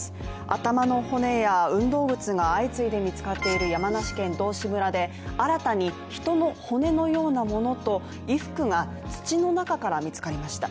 頭の骨や運動靴が相次いで見つかっている山梨県道志村で新たに人の骨のようなものと衣服が土の中から見つかりました